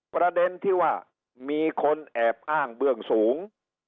ประเด็นที่ว่ามีคนแอบอ้างเบื้องสูง